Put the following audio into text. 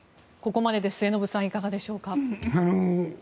ここまでで末延さんいかがでしょうか。